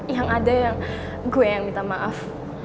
yang ada yang gue yang minta maaf